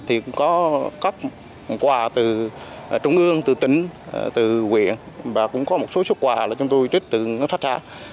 thì cũng có các quà từ trung ương từ tỉnh từ huyện và cũng có một số xuất quà là chúng tôi trích từ ngân sách ra